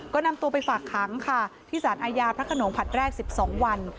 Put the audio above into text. ก็นำตัวไปฝากขังค่ะที่สารอาญาพระขนงผัดแรก๑๒วัน